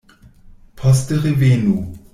Poste revenu.